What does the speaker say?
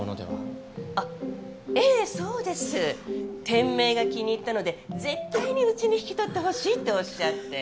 店名が気に入ったので絶対にうちに引き取ってほしいっておっしゃって。